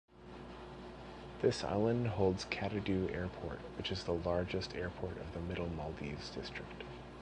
This island holds Kadhdhoo Airport, which is the largest Airport of the Middle-Maldives District.